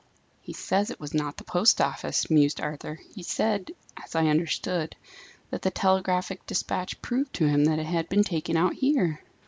"He says it was not the post office," mused Arthur. "He said as I understood that the telegraphic despatch proved to him that it had been taken out here."